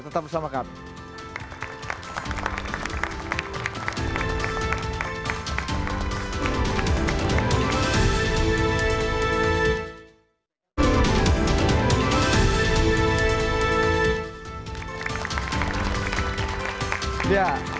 tetap bersama kami